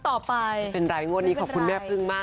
อันนี้พึ่งตื่นขึ้นมาใส่บาตรกระโบนให้พี่พึ่งเลยนะ